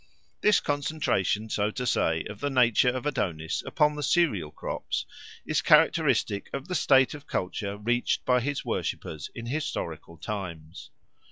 This concentration, so to say, of the nature of Adonis upon the cereal crops is characteristic of the stage of culture reached by his worshippers in historical times.